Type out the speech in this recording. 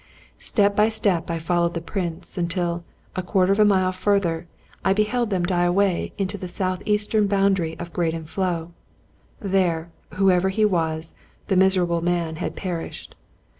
Step by step I followed the prints; until, a quarter of a mile farther, I beheld them die away into the southeastern boundary of Graden Floe. There, whoever he was, the miserable man had perished.